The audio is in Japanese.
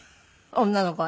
女の子が？